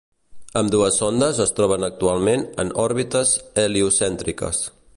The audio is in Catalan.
Ambdues sondes es troben actualment en òrbites heliocèntriques.